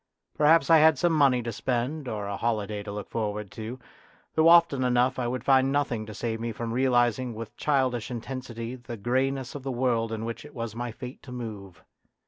Perhaps I had some money to spend or a holiday to look forward to ; though often enough I would find nothing to save me from realising with childish intensity the grey ness of the world in which it was my fate to move.